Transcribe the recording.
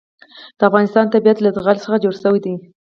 د افغانستان طبیعت له زغال څخه جوړ شوی دی.